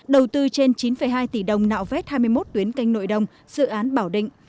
đầu tư trên chín hai tỷ đồng nạo vét hai mươi một tuyến canh nội đông dự án bảo định